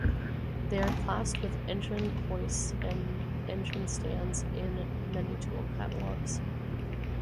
They are classed with engine hoists and engine stands in many tool catalogs.